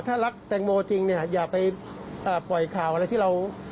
ถ้ารักแตงโมจริงเนี่ยอย่าไปปล่อยข่าวอะไรที่เรา